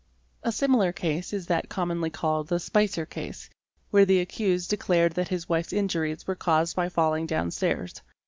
A similar case is that commonly called the "Spicer case", where the accused declared that his wife's injuries | were caused by falling downstairs.